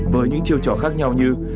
với những chiêu trò khác nhau như